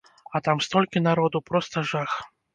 А там столькі народу, проста жах.